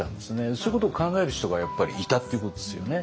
そういうことを考える人がやっぱりいたっていうことですよね。